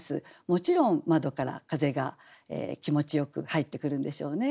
もちろん窓から風が気持ちよく入ってくるんでしょうね。